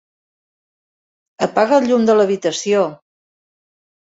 Apaga el llum de l'habitació.